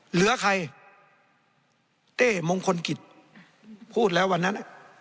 เหลือใครเต้มงคลกิจพูดแล้ววันนั้น